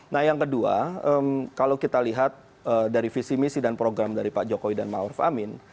nah yang kedua kalau kita lihat dari visi misi dan program dari pak jokowi dan ⁇ maruf ⁇ amin